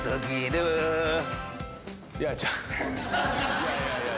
いやいやいや。